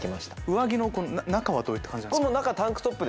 上着の中はどういった感じなんですか？